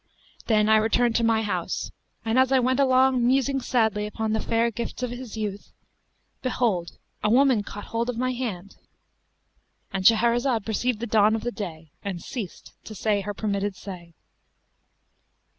Then I returned to my house; and as I went along musing sadly upon the fair gifts of his youth, behold, a woman caught hold of my hand;"—And Shahrazad perceived the dawn of day and ceased to say her permitted say.